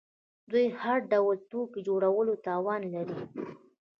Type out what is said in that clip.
دوی د هر ډول توکو د جوړولو توان لري.